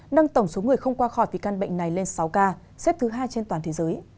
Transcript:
nâng tổng số người không qua khỏi vì căn bệnh này lên sáu ca xếp thứ hai trên toàn thế giới